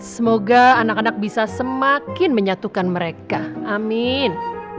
semoga anak anak bisa semakin menyatukan mereka amin